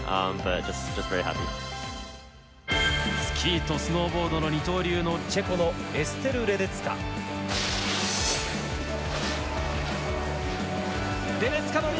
スキーとスノーボードの二刀流のチェコのエステル・レデツカ。